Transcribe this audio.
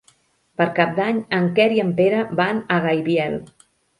Per Cap d'Any en Quer i en Pere van a Gaibiel.